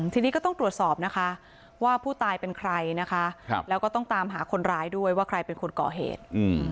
ทีนี้ก็ต้องตรวจสอบนะคะว่าผู้ตายเป็นใครนะคะแล้วก็ต้องตามหาคนร้ายด้วยว่าใครเป็นคนก่อเหตุ